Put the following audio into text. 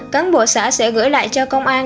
cán bộ xã sẽ gửi lại cho công an